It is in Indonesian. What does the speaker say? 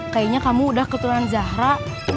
kayaknya kamu udah keturunan zahra